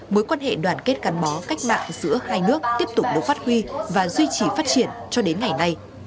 mối quan hệ đoàn kết gắn bó cách mạng giữa hai nước tiếp tục đối phát huy và duy trì phát triển cho đến ngày nay